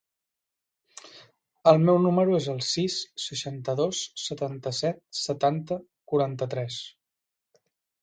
El meu número es el sis, seixanta-dos, setanta-set, setanta, quaranta-tres.